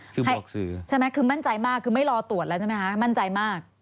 คือให้ออกสื่อใช่ไหมคือมั่นใจมากคือไม่รอตรวจแล้วใช่ไหมคะมั่นใจมาก